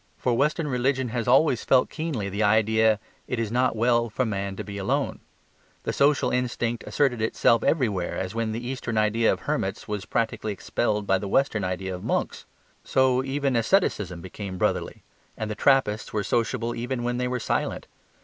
For Western religion has always felt keenly the idea "it is not well for man to be alone." The social instinct asserted itself everywhere as when the Eastern idea of hermits was practically expelled by the Western idea of monks. So even asceticism became brotherly; and the Trappists were sociable even when they were silent.